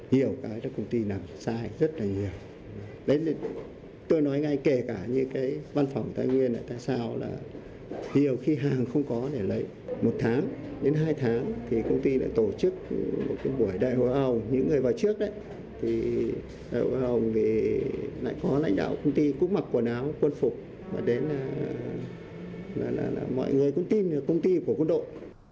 quần áo quân phục và đến mọi người cũng tin là công ty của quân đội